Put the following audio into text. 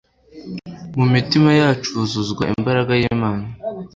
mu mitima yacu huzuzwa imbaraga y'Imana.